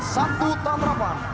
satu tantra delapan